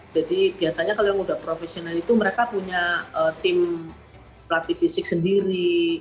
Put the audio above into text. jadi biasanya kalau yang sudah profesional itu mereka punya tim pelatih fisik sendiri